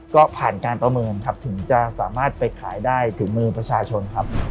ก็ผ่านการประเมินครับถึงจะสามารถไปขายได้ถึงมือประชาชนครับ